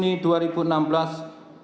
hakim pengadilan negeri jakarta pusat